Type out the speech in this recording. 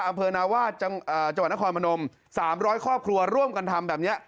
อำเมินาว่าจังหวัดนครพนมสำร้อยครอบครัวร่วมกันทำแบบเนี้ย